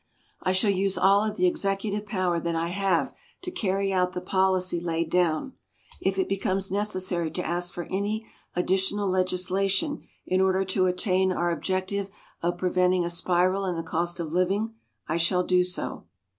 I shall use all of the executive power that I have to carry out the policy laid down. If it becomes necessary to ask for any additional legislation in order to attain our objective of preventing a spiral in the cost of living, I shall do so.